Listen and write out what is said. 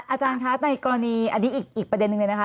อาจารย์คะในกรณีอันนี้อีกประเด็นนึงเลยนะคะ